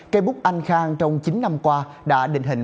cây bút anh khang trong chín năm qua đã định hình